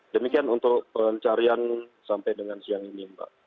demikian untuk pencarian sampai dengan siang ini mbak